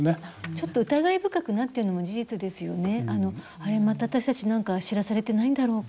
ちょっと疑い深くなっているのも事実ですよね。